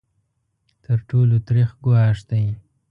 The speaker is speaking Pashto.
تر ټولو تریخ ګواښ دی.